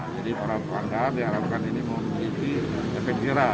jadi para pelanggar diharapkan ini memiliki efek kira